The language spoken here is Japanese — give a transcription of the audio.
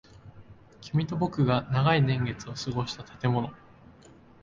君と僕が長い年月を過ごした建物。